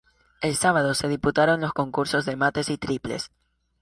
El sábado se disputaron los concurso de mates y triples.